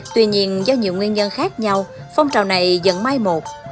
tuy nhiên do nhiều nguyên nhân khác nhau phong trào này dẫn mai một